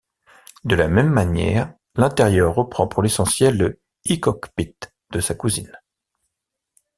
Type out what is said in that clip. De la même manière, l'intérieur reprend pour l'essentiel le i-Cockpit de sa cousine.